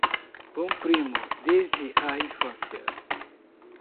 Bom primo desde a infância